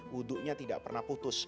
wudunya tidak pernah putus